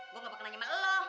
gua nggak pernah nyaman lu